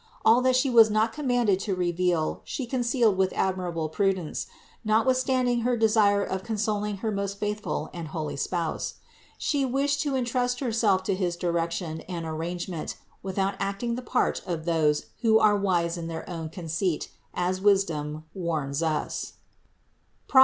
All that She was not commanded to re veal She concealed with admirable prudence, notwith standing her desire of consoling her most faithful and holy spouse. She wished to entrust Herself to his direc tion and arrangement without acting the part of those who are wise in their own conceit, as Wisdom warns us (Prov.